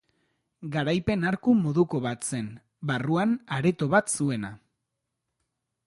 Garaipen arku moduko bat zen, barruan areto bat zuena.